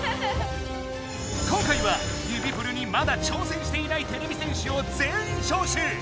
今回は指プルにまだ挑戦していないてれび戦士を全員しょうしゅう！